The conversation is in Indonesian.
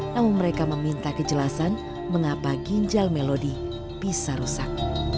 namun mereka meminta kejelasan mengapa ginjal melodi bisa rusak